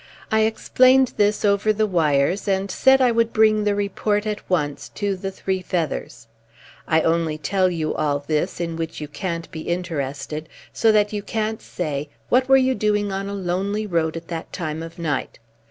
I explained this over the wires and said I would bring the report at once to The Three Feathers. I only tell you all this, in which you can't be interested, so that you can't say: 'What were you doing on a lonely road at that time of night?'